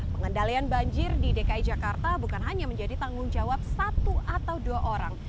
pengendalian banjir di dki jakarta bukan hanya menjadi tanggung jawab satu atau dua orang